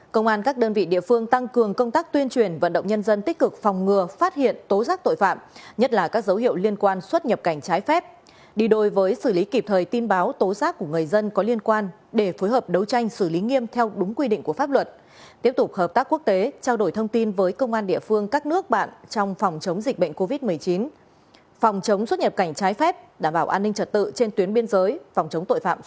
sáu công an các đơn vị địa phương tăng cường công tác tuyên truyền vận động nhân dân tích cực phòng ngừa phát hiện tố giác tội phạm nhất là các dấu hiệu liên quan xuất nhập cảnh trái phép đi đôi với xử lý kịp thời tin báo tố giác của người dân có liên quan để phối hợp đấu tranh xử lý nghiêm theo đúng quy định của pháp luật tiếp tục hợp tác quốc tế trao đổi thông tin với công an địa phương các nước bạn trong phòng chống dịch bệnh covid một mươi chín phòng chống xuất nhập cảnh trái phép đảm bảo an ninh trật tự trên tuyến biên giới phòng chống tội phạm x